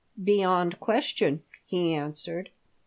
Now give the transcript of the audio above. " Beyond question," he answered.